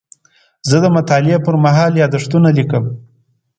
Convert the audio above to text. زه د مطالعې پر مهال یادښتونه لیکم.